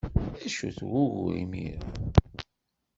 D acu-t wugur imir-a?